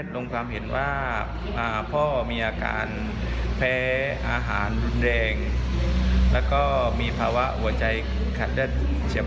และก็ทำให้เสียชีวิตครับ